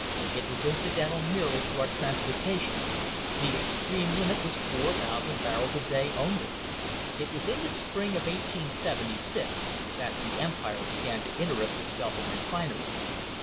It was incidental merely to our transportation. The extreme limit was 4,000 barrels a day only." It was in the spring of 1876 that the Empire began to interest itself in refineries.